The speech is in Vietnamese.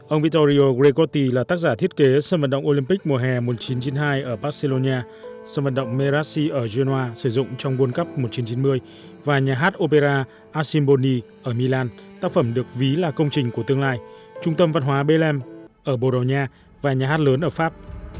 ông vittorio gregotti là tác giả thiết kế sân vận động olympic mùa hèm một nghìn chín trăm chín mươi hai ở barcelona sân vận động merasi ở genoa sử dụng trong world cup một nghìn chín trăm chín mươi và nhà hát opera asimboli ở milan tác phẩm được ví là công trình của tương lai trung tâm văn hóa belem ở bordeaux nha và nhà hát lớn ở pháp